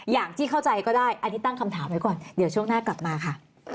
อย่างที่เข้าใจก็ได้อันนี้ตั้งคำถามไว้ก่อนเดี๋ยวช่วงหน้ากลับมาค่ะ